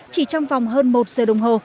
chỉ trong vòng hơn một giờ đồng hồ